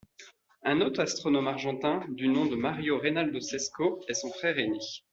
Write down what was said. Un autre astronome argentin du nom de Mario Reynaldo Cesco est son frère ainé.